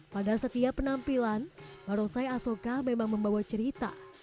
pada setiap penampilan barongsai asoka memang membawa cerita